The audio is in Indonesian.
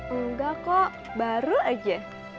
enggak kok baru aja